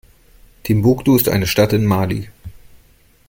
Timbuktu ist eine Stadt in Mali.